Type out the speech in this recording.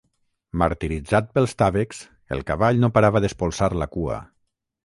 Martiritzat pels tàvecs, el cavall no parava d'espolsar la cua.